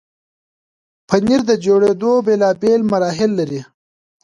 پنېر د جوړېدو بیلابیل مراحل لري.